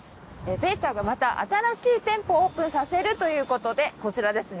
ベータがまた新しい店舗をオープンさせるということでこちらですね